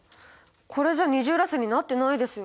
これじゃ二重らせんになってないですよ。